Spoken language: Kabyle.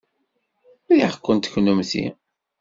Riɣ-kent kennemti.